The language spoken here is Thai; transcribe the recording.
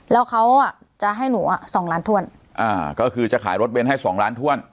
แล้วเขาอ่ะจะให้หนูอ่ะสองล้านถ้วนอ่าก็คือจะขายรถเน้นให้สองล้านถ้วน